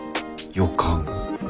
「予感」。